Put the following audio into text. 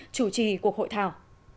chủ trì cuộc hội thảo